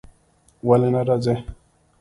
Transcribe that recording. ولی نه راځی ؟